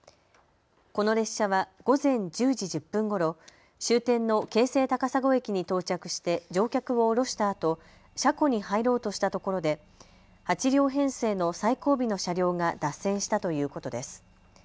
この列車は午前１０時１０分ごろ終点の京成高砂駅に到着して乗客を降ろしたあと車庫に入ろうとしたところで８両編成の最後尾の車両が脱線したということです。